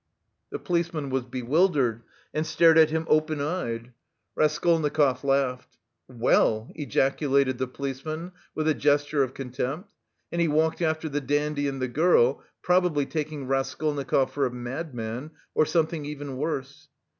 The policeman was bewildered, and stared at him open eyed. Raskolnikov laughed. "Well!" ejaculated the policeman, with a gesture of contempt, and he walked after the dandy and the girl, probably taking Raskolnikov for a madman or something even worse.